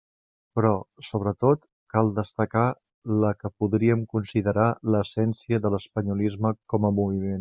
Però, sobretot, cal destacar la que podríem considerar l'essència de l'espanyolisme com a moviment.